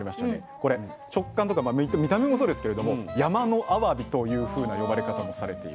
これ食感とか見た目もそうですけれど「山のあわび」というふうな呼ばれ方もされているという。